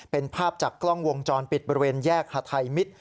เป็นภาพจากกล้องวงจรปิดบริเวณแยกฮาไทมิตร